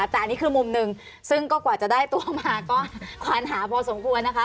แต่อันนี้คือมุมหนึ่งซึ่งก็กว่าจะได้ตัวมาก็ควานหาพอสมควรนะคะ